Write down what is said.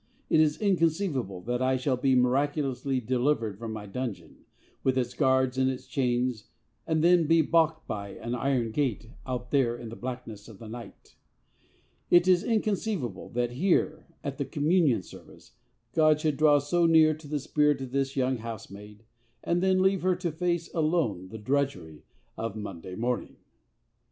It is inconceivable that I shall be miraculously delivered from my dungeon, with its guards and its chains, and then be baulked by an iron gate out there in the blackness of the night. It is inconceivable that here, at the Communion Service, God should draw so near to the spirit of this young housemaid, and then leave her to face alone the drudgery of Monday morning.